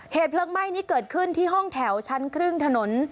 เหตุเพลิงไหม้นี้เกิดขึ้นที่ห้องแถวชั้นครึ่งถนน